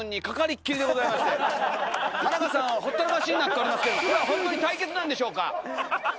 田中さんをほったらかしになっておりますけどホントに対決なんでしょうか？